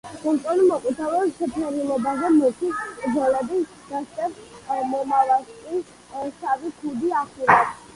მომწვანო-მოყვითალო შეფერილობაზე მუქი ზოლები დასდევს, მამალს კი შავი „ქუდი“ ახურავს.